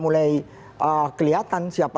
mulai kelihatan siapa